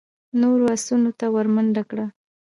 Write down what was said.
نورو آسونو ته ور منډه کړه.